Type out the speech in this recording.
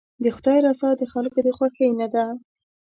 د خدای رضا د خلکو د خوښۍ نه ده.